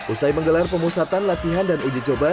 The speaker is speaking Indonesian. usai menggelar pemusatan latihan dan uji coba